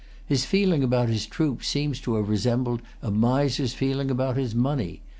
His feeling about his troops seems to have resembled a miser's feeling about his money.